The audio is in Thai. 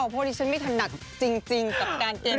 เพราะนิสันไม่ถนัดจริงกับการเกณฑ์ถ่าหาร